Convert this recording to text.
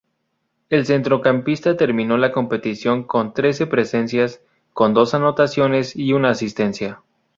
El centrocampista terminó la competición con trece presencias, con dos anotaciones y una asistencia.